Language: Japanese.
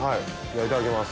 いただきます。